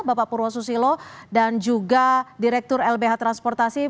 bapak purwosusilo dan juga direktur lbh transportasi